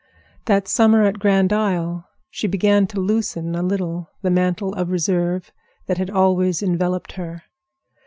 That summer at Grand Isle she began to loosen a little the mantle of reserve that had always enveloped her.